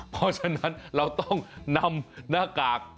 เพราะฉะนั้นเราต้องนำหน้ากาก